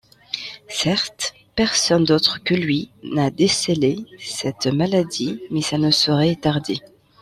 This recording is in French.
Certes personne d'autre que lui n'a décelé cette maladie, mais ça ne saurait tarder.